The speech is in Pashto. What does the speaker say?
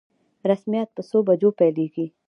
رسميات په څو بجو پیلیږي؟